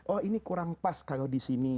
oh ini kurang pas kalau disini